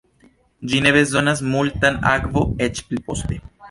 Ĝi ne bezonas multan akvo eĉ pli poste.